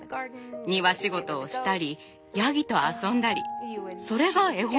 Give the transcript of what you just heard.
庭仕事をしたりヤギと遊んだりそれが絵本になったの。